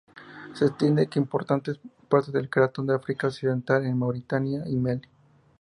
Se extiende por importantes partes del cratón de África Occidental en Mauritania y Malí.